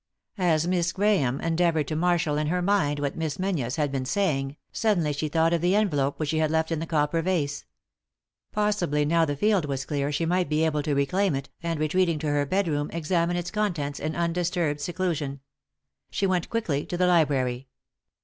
As Miss Grahame endeavoured to marshal in her mind what Miss Menzies had been saying, suddenly she thought of the envelope which she had left in the copper vase. Possibly now the field was clear she might be able to reclaim it, and, retreat ing to her bedroom, examine its contents in undisturbed seclusion. She went quickly to the library.